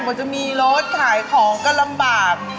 กว่าจะมีรถขายของก็ลำบาก